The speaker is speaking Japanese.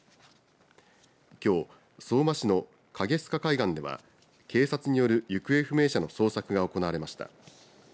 きょう、相馬市のかげすか海岸では警察による行方不明者の捜索が行われました。